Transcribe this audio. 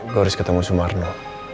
gue harus ketemu soebarna